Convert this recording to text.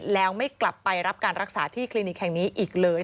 แล้วไม่กลับไปรับการรักษาที่คลินิกแห่งนี้อีกเลย